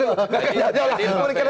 gak usah jauh jauh